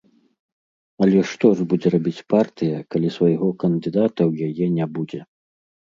Але што ж будзе рабіць партыя, калі свайго кандыдата ў яе не будзе?